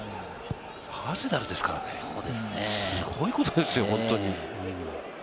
アーセナルですからね、すごいことですよ、本当に。